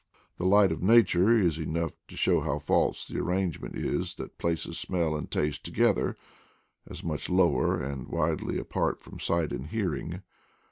The light of nature is enough to show how false the arrangement is that places smell and taste together, as much lower and widely apart from sight and hearing.